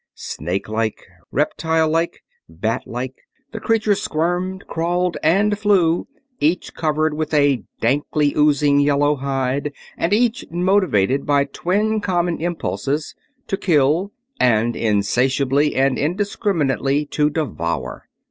Snake like, reptile like, bat like, the creatures squirmed, crawled, and flew; each covered with a dankly oozing yellow hide and each motivated by twin common impulses to kill and insatiably and indiscriminately to devour.